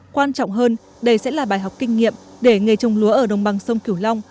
quan trọng hơn đây sẽ là bài học kinh nghiệm để nghề trồng lúa ở đồng bằng sông cửu long